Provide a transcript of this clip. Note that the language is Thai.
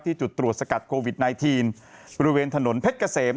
จุดตรวจสกัดโควิด๑๙บริเวณถนนเพชรเกษม